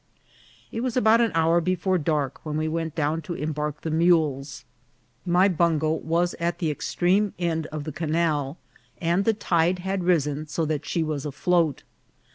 It was about an hour before dark when we went down to embark the mules. My bungo was at the extreme end of the canal, and the tide had risen so that she was afloat.